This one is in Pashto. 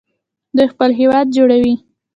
دوی خپل هیواد جوړوي.